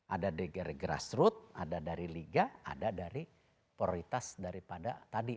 ada grassroot ada dari liga ada dari prioritas daripada tadi